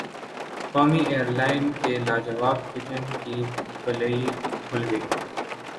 قومی ایئرلائن کے لاجواب کچن کی قلعی کھل گئی